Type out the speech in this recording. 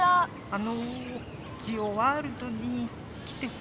・あのジオワールドに来てほしいポタ。